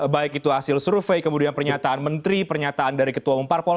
baik itu hasil survei kemudian pernyataan menteri pernyataan dari ketua umum parpol